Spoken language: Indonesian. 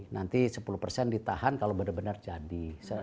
nanti sepuluh persen ditahan kalau benar benar jadi